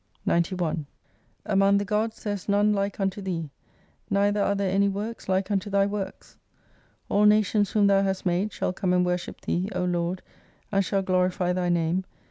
91 Among the Gods there is none like unto Thee. Neither are there any works like unto Thy works. All nations whom Thou hast made, shall come and worship Thee, O Lord, and shall glorify Thy name.